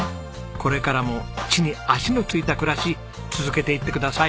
これからも地に足のついた暮らし続けていってください。